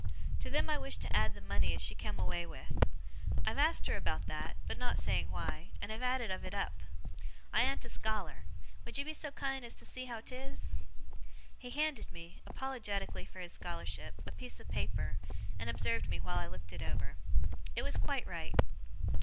To them I wish to add the money as she come away with. I've asked her about that (but not saying why), and have added of it up. I an't a scholar. Would you be so kind as see how 'tis?' He handed me, apologetically for his scholarship, a piece of paper, and observed me while I looked it over. It was quite right.